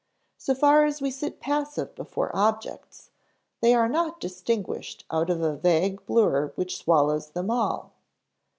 So far as we sit passive before objects, they are not distinguished out of a vague blur which swallows them all.